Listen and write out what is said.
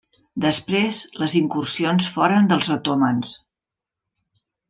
Després les incursions foren dels otomans.